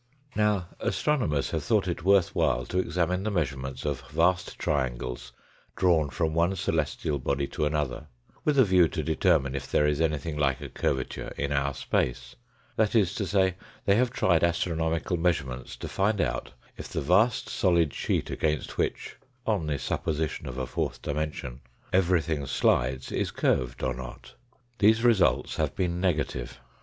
Now, astronomers have thought it worth while to examine the measurements of vast triangles drawn from one celestial body to another with a view to determine if there is anything like a curvature in our space that is to say, they have tried astronomical measurements to find RECAPITULATION AND EXTENSION 205 out if the vast solid sheet against which, on the sup position of a fourth dimension, everything slides is curved or not. These results have been negative.